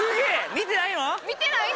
見てない。